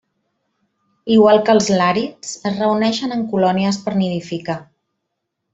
Igual que els làrids, es reuneixen en colònies per nidificar.